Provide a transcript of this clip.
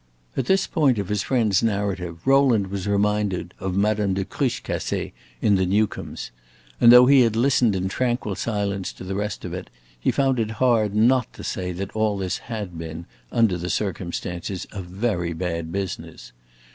At this point of his friend's narrative, Rowland was reminded of Madame de Cruchecassee in The Newcomes, and though he had listened in tranquil silence to the rest of it, he found it hard not to say that all this had been, under the circumstances, a very bad business.